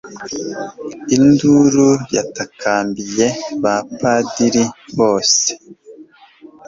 Induru yatakambiye ba Padiri bose